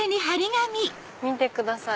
見てください。